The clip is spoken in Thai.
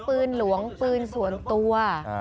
ปืนหลวงปืนส่วนตัว